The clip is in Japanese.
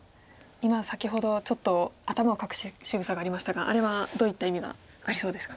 今先ほどちょっと頭をかくしぐさがありましたがあれはどういった意味がありそうですか。